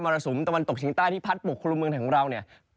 รสุมตะวันตกเฉียงใต้ที่พัดปกคลุมเมืองไทยของเราเนี่ย